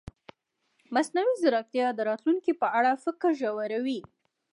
مصنوعي ځیرکتیا د راتلونکي په اړه فکر ژوروي.